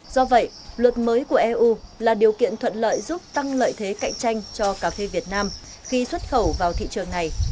do vậy luật mới của eu là điều kiện thuận lợi giúp tăng lợi thế cạnh tranh cho cà phê việt nam khi xuất khẩu vào thị trường này